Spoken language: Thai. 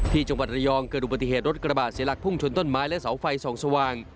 ที่จังหวัดระยองเกิดอุบัติเหตุรถกระบาดเสียหลักพุ่งชนต้นไม้และเสาไฟส่องสว่าง